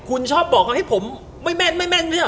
คุณชอบจะบอกให้ผมไม่แม่น